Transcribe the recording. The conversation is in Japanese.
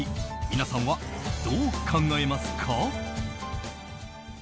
皆さんはどう考えますか？